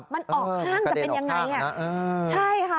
มันออกข้างจะเป็นยังไงใช่ค่ะ